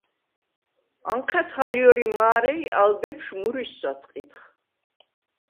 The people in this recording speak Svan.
ანჴა̈დხ ალ ჲორი მა̄რე ი ალ ბეფშვ მურვისს ათყიდხ.